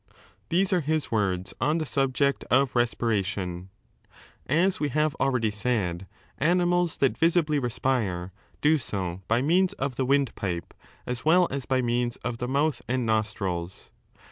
^ These are his words on the subject of respiration. As 6 we have already said, animals that visibly respire do so by means of the windpipe as well as by means of the mouth and nostrils.